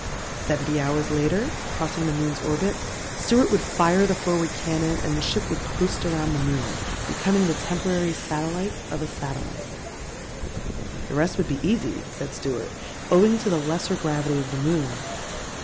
Seventy hours later, crossing the moon's orbit, Stewart would fire the forward cannon and the ship would coast around the moon, becoming the temporary satellite of a satellite. "The rest would be easy," said Stewart, "owing to the lesser gravity of the moon.